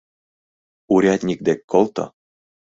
— Урядник дек колто.